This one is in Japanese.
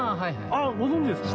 ああご存知ですか？